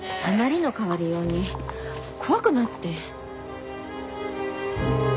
あまりの変わりように怖くなって。